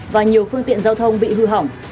và nhiều phương tiện giao thông bị hư hỏng